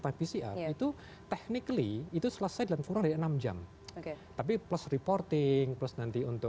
time pcr itu technically itu selesai dalam kurang dari enam jam tapi plus reporting plus nanti untuk